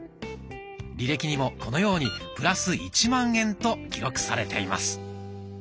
履歴にもこのようにプラス１万円と記録されています。